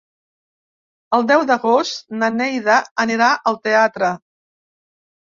El deu d'agost na Neida anirà al teatre.